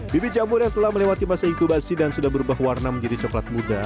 bibit jamur yang telah melewati masa inkubasi dan sudah berubah warna menjadi coklat muda